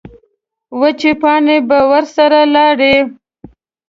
وچې پاڼې به ورسره لاړې.